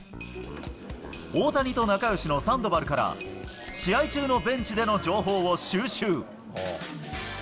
大谷と仲よしのサンドバルから、試合中のベンチでの情報を収拾。